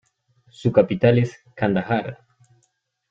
Su capital es Kandahar.